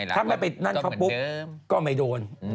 ถ้าไม่ไปนั่นก็ไม่โดน